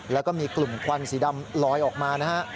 แล้วก็มีกลุ่มควันสีดำลอยออกมานะฮะ